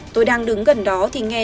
tôi đang đứng gần đó thì nghe